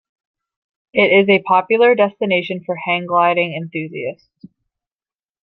It is a popular destination for hang-gliding enthusiasts.